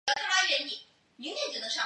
布迪德博雷加尔。